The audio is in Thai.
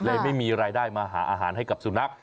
ไม่มีรายได้มาหาอาหารให้กับสุนัข